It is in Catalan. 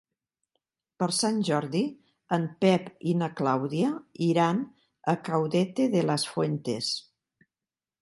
Per Sant Jordi en Pep i na Clàudia iran a Caudete de las Fuentes.